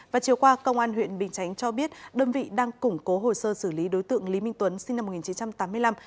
và chiều qua công an huyện bình chánh cho biết đơn vị đang củng cố hồ sơ xử lý đối tượng lý minh tuấn sinh năm một nghìn chín trăm tám mươi năm